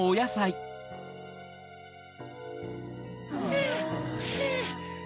ハァハァ。